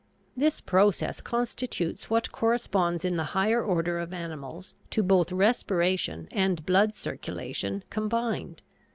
This process constitutes what corresponds in the higher order of animals to both respiration and blood circulation, combined.